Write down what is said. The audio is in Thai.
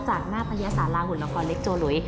จากหน้าพยสาราหุ่นละครเล็กโจหลุย